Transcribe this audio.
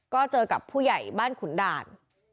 ก็เจอกับผู้ใหญ่บ้านขุนด่าน